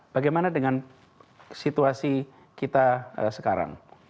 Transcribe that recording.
bagaimana dengan situasi kita sekarang